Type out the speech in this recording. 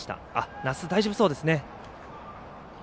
奈須大丈夫そうですね。